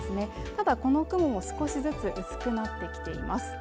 ただこの雲も少しずつ薄くなってきています